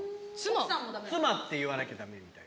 妻って言わなきゃ駄目みたいよ。